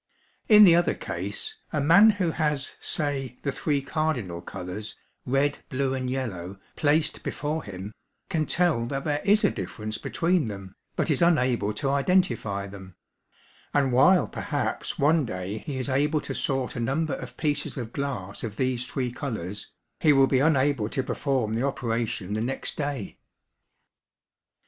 In the other case, a man who has, say the three cardinal colours, red, blue, and yellow, placed before him, can tell that there is a difference between them, but is unable to identify them; and while perhaps one day he is able to sort a number of pieces of glass of these three colours, he will be unable to perform the operation the next day.